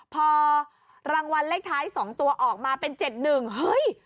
พอรางวัลเลขท้ายสองตัวออกมาเป็นเจ็ดหนึ่งเฮ้ย